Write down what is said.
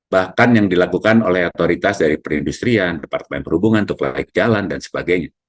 bahkan yang dilakukan oleh otoritas dari perindustrian departemen perhubungan untuk layak jalan dan sebagainya